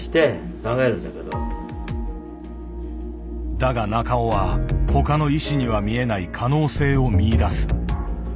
だが中尾は他の医師には見えない可能性を見いだす。